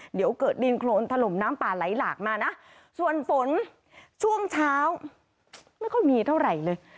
เดี๋ยวเกิดดินโครนถล่มน้ำป่าไหลหลากมานะส่วนฝนช่วงเช้าไม่ค่อยมีเท่าไหร่เลย